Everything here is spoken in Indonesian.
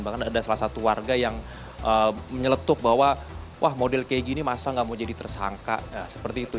bahkan ada salah satu warga yang menyeletup bahwa wah model kayak gini masa nggak mau jadi tersangka seperti itu